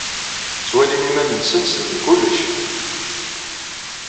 Ttwalin iman-nsen ssnen kullec.